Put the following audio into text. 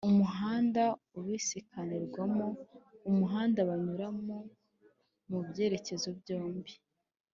umuhanda ubisikanirwamo umuhanda banyuramo mu byerekezo byombi